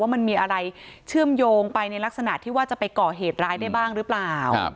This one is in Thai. มันมีอะไรเชื่อมโยงไปในลักษณะที่ว่าจะไปก่อเหตุร้ายได้บ้างหรือเปล่า